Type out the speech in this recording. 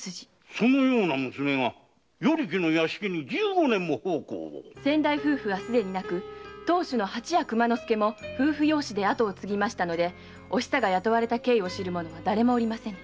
そのような娘が与力の屋敷に十五年も奉公を⁉先代夫婦は既に亡く当主の蜂屋熊之助も夫婦養子で跡を継いだのでお久が雇われた経緯を知る者は誰もおりません。